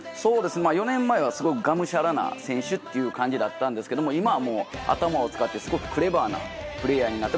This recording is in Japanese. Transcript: ４年前はすごくがむしゃらな選手という感じだったんですが今は頭を使ってすごくクレバーなプレーヤーになって。